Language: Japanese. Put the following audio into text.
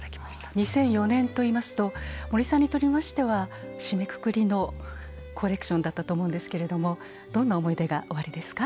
２００４年といいますと森さんにとりましては締めくくりのコレクションだったと思うんですけれどもどんな思い出がおありですか？